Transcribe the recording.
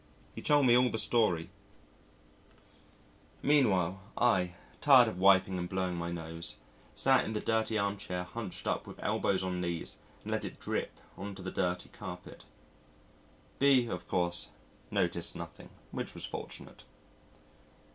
He told me all the story; meanwhile, I, tired of wiping and blowing my nose, sat in the dirty armchair hunched up with elbows on knees and let it drip on to the dirty carpet. B , of course, noticed nothing, which was fortunate.